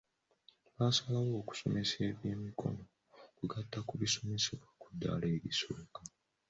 Basalawo okusomesa ebyemikono okugatta ku bisomesebwa ku ddala erisooka.